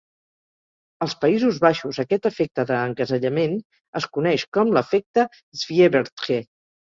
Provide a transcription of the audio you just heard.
Als Països Baixos, aquest efecte de encasellament es coneix com "l'efecte Swiebertje".